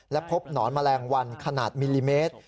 และพบหนอนแมลงวันขนาดมิลลิเมตร